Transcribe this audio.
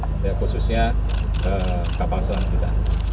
khususnya kapal selam kita